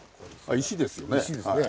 石ですね。